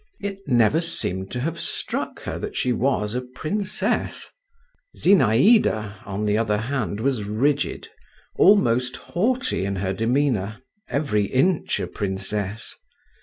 It never seemed to have struck her that she was a princess. Zinaïda on the other hand was rigid, almost haughty in her demeanour, every inch a princess.